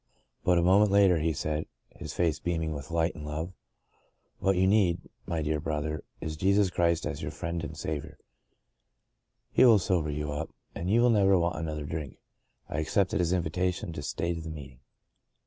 But a moment later he said, his face beaming with light and love, * What you need, my dear brother, is Jesus Christ as your friend and Saviour ; He God's Good Man 39 will sober you up and you will never want another drink.' I accepted his invitation to stay to the meeting.